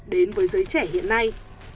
đến với giới trẻ hiện nay